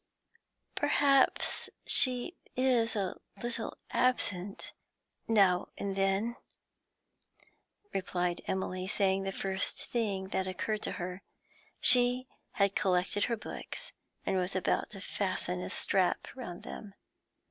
'Perhaps she is a little absent now and then,' replied Emily, saying the first thing that occurred to her. She had collected her books and was about to fasten a strap round them.